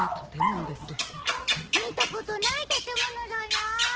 みたことないたてものだな。